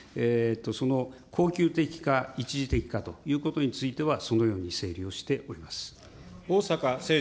その恒久的か一時的かということについては、そのように整理をしております。